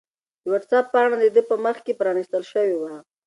د وټس-اپ پاڼه د ده په مخ کې پرانستل شوې وه.